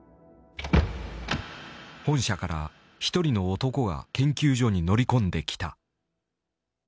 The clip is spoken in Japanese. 本社から一人の男が研究所に乗り込んできた。